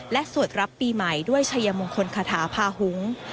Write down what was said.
และสวดรับปีใหม่ด้วยชัยมงคลคาถาพาหุง